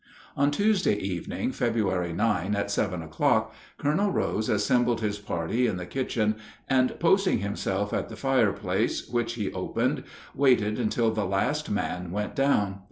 On Tuesday evening, February 9, at seven o'clock, Colonel Rose assembled his party in the kitchen, and, posting himself at the fireplace, which he opened, waited until the last man went down.